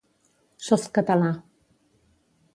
Softcatalà